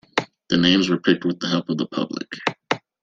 The names were picked with the help of the public.